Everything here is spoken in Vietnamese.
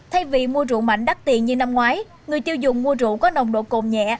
thay vì mua rượu mạnh đắt tiền như năm ngoái người tiêu dùng mua rượu có nồng độ cồn nhẹ